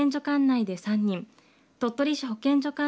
管内で３人鳥取市保健所